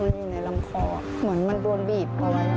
มันอยู่ในลำคอเหมือนมันโดนบีบ